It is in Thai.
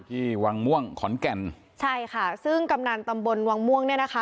ที่วังม่วงขอนแก่นใช่ค่ะซึ่งกำนันตำบลวังม่วงเนี่ยนะคะ